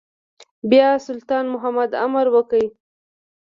بيا سلطان محمود امر وکړ.